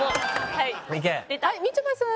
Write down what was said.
はいみちょぱさん。